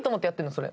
それ。